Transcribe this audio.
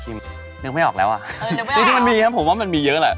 คิมลืมไม่ออกแล้วอะนี่มันมีครับผมมันมีเยอะแหละ